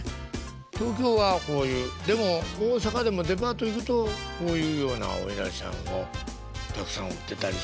東京はこういうでも大阪でもデパート行くとこういうようなおいなりさんをたくさん売ってたり。